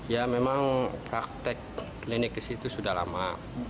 ya memang praktek klinik di situ sudah lama